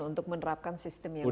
untuk menerapkan sistem yang